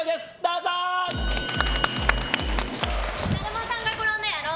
だるまさんが転んだやろう！